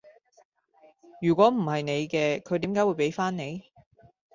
如果唔係你嘅，佢點解會畀返你？